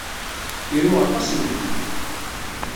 Iru aṭas Mhenni.